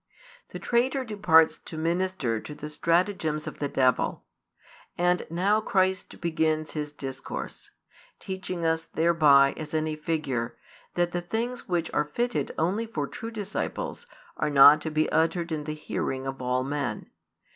The traitor departs to minister to the stratagems of the devil. And now Christ begins His discourse; teaching us thereby, as in a figure, that the things which are fitted only for true disciples are not to be uttered in the hearing of all men.